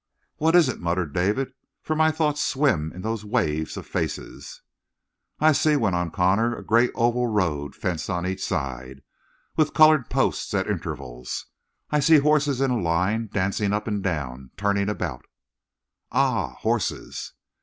"What is it?" muttered David. "For my thoughts swim in those waves of faces." "I see," went on Connor, "a great oval road fenced on each side, with colored posts at intervals. I see horses in a line, dancing up and down, turning about " "Ah, horses!"